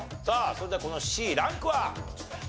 さあそれではこのＣランクは？